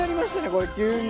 これ急に。